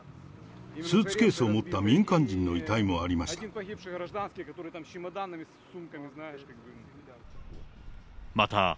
スーツケースを持った民間人の遺体もありました。